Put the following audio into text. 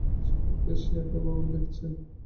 স্বামীকেও সে একই ভাবে দেখছে।